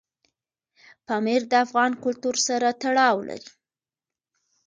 پامیر د افغان کلتور سره تړاو لري.